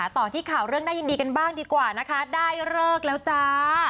ต่อที่ข่าวเรื่องน่ายินดีกันบ้างดีกว่านะคะได้เลิกแล้วจ้า